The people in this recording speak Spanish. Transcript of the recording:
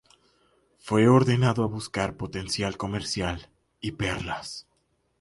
Fue ordenado buscar potencial comercial y perlas.